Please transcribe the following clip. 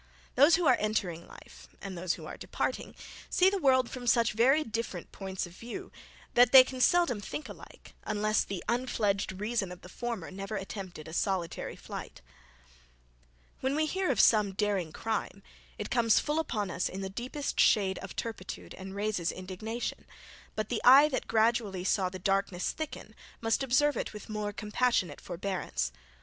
Those who are entering life, and those who are departing, see the world from such very different points of view, that they can seldom think alike, unless the unfledged reason of the former never attempted a solitary flight. When we hear of some daring crime it comes full upon us in the deepest shade of turpitude, and raises indignation; but the eye that gradually saw the darkness thicken, must observe it with more compassionate forbearance.